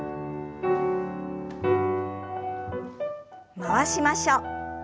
回しましょう。